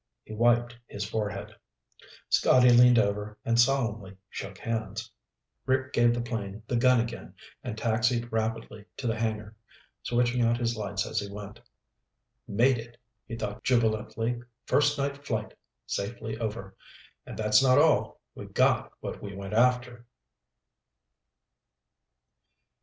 He wiped his forehead. Scotty leaned over and solemnly shook hands. Rick gave the plane the gun again and taxied rapidly to the hangar, switching out his lights as he went. Made it, he thought jubilantly. First night flight, safely over. And that's not all. We got what we went after!